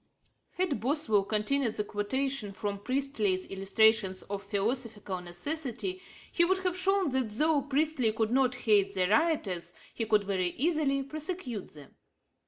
Had Boswell continued the quotation from Priestley's Illustrations of Philosophical Necessity he would have shown that though Priestley could not hate the rioters, he could very easily prosecute them.